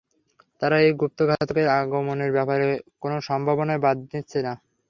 তারা এই গুপ্তঘাতকের আগমনের ব্যাপারে কোনো সম্ভাবনাই বাদ দিচ্ছে না।